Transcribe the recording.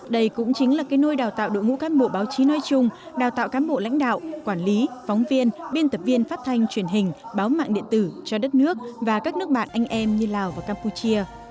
đây cũng chính là cái nôi đào tạo đội ngũ cán bộ báo chí nói chung đào tạo cán bộ lãnh đạo quản lý phóng viên biên tập viên phát thanh truyền hình báo mạng điện tử cho đất nước và các nước bạn anh em như lào và campuchia